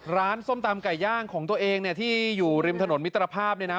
ส้มตำไก่ย่างของตัวเองเนี่ยที่อยู่ริมถนนมิตรภาพเนี่ยนะ